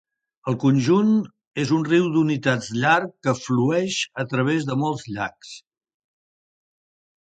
El conjunt és un riu d'unitats llarg que flueix a través de molts llacs.